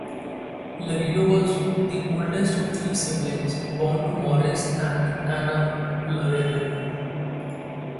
Laredo was the oldest of three siblings born to Morris and Anna Laredo.